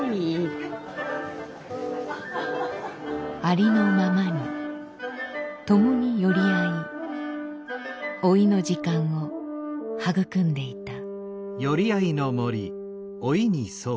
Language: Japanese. ありのままにともによりあい「老いの時間」を育んでいた。